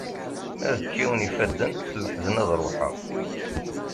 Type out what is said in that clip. Ad kkiwen ifadden, s leḥzen ad ruḥeɣ.